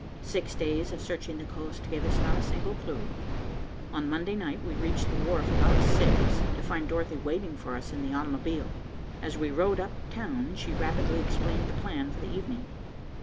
Six days of searching the coast gave us not a single clue. On Monday night we reached the wharf about six, to find Dorothy waiting for us in the automobile. As we rode up town she rapidly explained the plan for the evening.